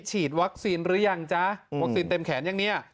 ฉีดวัคซีนหรือยังจ๊ะวัคซีนเต็มแขนยังเนี่ย